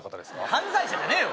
犯罪者じゃねえわ！